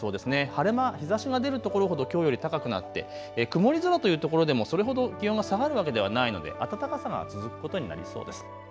晴れ間、日ざしが出るところほどきょうより高くなって曇り空というところでもそれほど気温が下がるわけではないので暖かさが続くことになりそうです。